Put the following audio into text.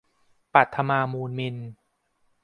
ปัทมา มูลมิล